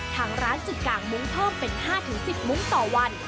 ทางร้านจึงกางมุ้งเพิ่มเป็น๕๑๐มุ้งต่อวัน